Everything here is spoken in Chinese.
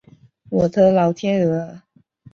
我的老天鹅啊